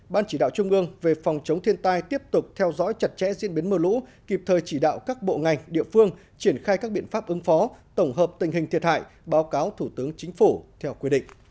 ban chỉ đạo trung ương về phòng chống thiên tai tiếp tục theo dõi chặt chẽ diễn biến mưa lũ kịp thời chỉ đạo các bộ ngành địa phương triển khai các biện pháp ứng phó tổng hợp tình hình thiệt hại báo cáo thủ tướng chính phủ theo quy định